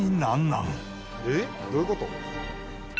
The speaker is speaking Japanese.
「えっ？どういう事？」